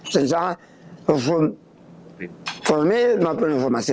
tentang hukum formil maupun informasi